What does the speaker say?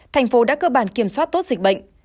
tp đã cơ bản kiểm soát tốt dịch bệnh